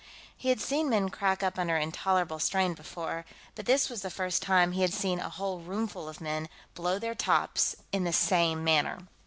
He had seen men crack up under intolerable strain before, but this was the first time he had seen a whole roomful of men blow their tops in the same manner.